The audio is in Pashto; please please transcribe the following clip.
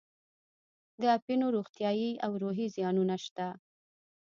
د اپینو روغتیایي او روحي زیانونه شته.